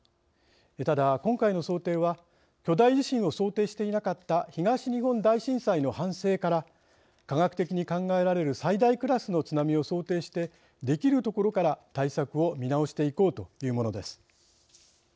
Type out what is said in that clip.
ただ今回の想定は巨大地震を想定していなかった東日本大震災の反省から科学的に考えられる最大クラスの津波を想定してできるところから対策を見直していこうというものです。